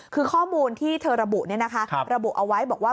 คือข้อมูลที่เธอระบุระบุเอาไว้บอกว่า